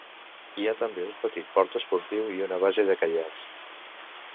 Hi ha també un petit port esportiu i una base de caiacs.